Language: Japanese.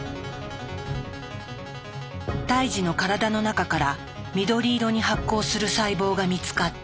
胎児の体の中から緑色に発光する細胞が見つかった。